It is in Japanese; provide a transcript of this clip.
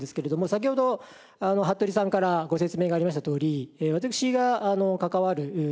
先ほど服部さんからご説明がありましたとおり私が関わるのはですね